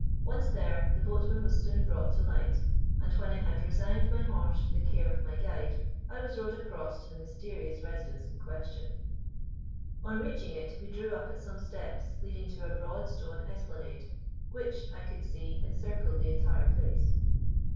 Once there, the boatman was soon brought to light, and, when I had resigned my horse to the care of my guide, I was rowed across to the mysterious residence in question. On reaching it we drew up at some steps leading to a broad stone esplanade, which, I could see, encircled the entire place.